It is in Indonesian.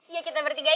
ya kita bertiga itu